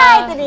nah itu dia